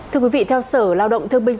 thưa quý vị theo sở lao động thương binh